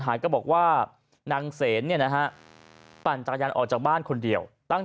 ก็บอกว่านางเสนเนี่ยนะฮะปั่นจักรยานออกจากบ้านคนเดียวตั้ง